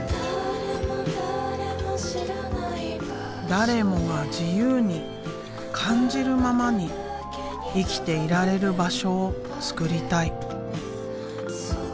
誰もが自由に感じるままに生きていられる場所を作りたい。